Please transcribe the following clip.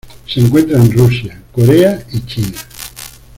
Se encuentra en Rusia, Corea y China.